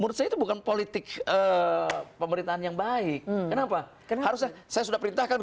menurut saya itu bukan politik pemerintahan yang baik kenapa karena harusnya saya sudah perintahkan